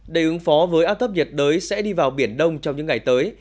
để ứng phó với áp thấp nhiệt đới sẽ đi vào biển đông trong những ngày tới